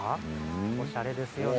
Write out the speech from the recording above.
おしゃれですよね。